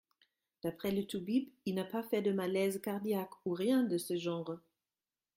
D’après le toubib, il n’a pas fait de malaise cardiaque, ou rien de ce genre.